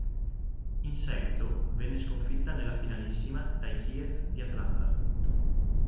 In seguito venne sconfitta nella finalissima dai Chiefs di Atlanta.